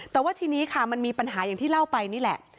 แต่ว่าทีนี้ค่ะมันมีปัญหาอย่างที่เล่าไปนี่แหละ